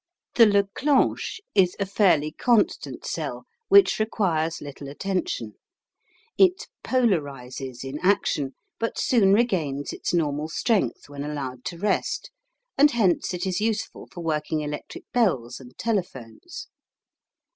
The Leclanche is a fairly constant cell, which requires little attention. It "polarises" in action but soon regains its normal strength when allowed to rest, and hence it is useful for working electric bells and telephones.